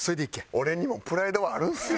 俺にもプライドはあるんすよ。